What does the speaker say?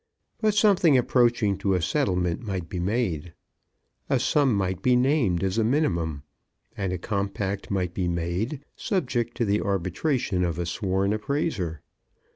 But something approaching to a settlement might be made. A sum might be named as a minimum. And a compact might be made, subject to the arbitration of a sworn appraiser.